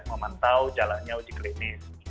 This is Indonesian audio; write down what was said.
memantau jalannya uji klinis